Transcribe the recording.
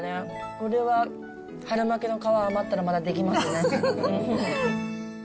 これは春巻きの皮余ったらまたできますね。